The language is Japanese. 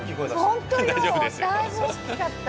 本当よだいぶ大きかった。